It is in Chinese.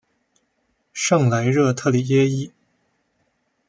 圣莱热特里耶伊。